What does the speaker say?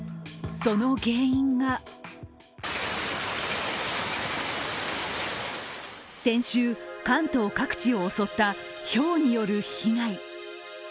その原因が先週、関東各地を襲った、ひょうによる被害。